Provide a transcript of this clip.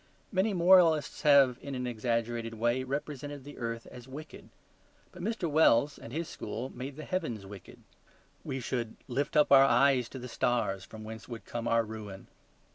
Many moralists have in an exaggerated way represented the earth as wicked. But Mr. Wells and his school made the heavens wicked. We should lift up our eyes to the stars from whence would come our ruin.